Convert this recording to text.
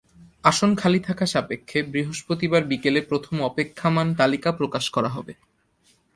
আসন খালি থাকা সাপেক্ষে বৃহস্পতিবার বিকেলে প্রথম অপেক্ষমাণ তালিকা প্রকাশ করা হবে।